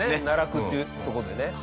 奈落っていうとこでね。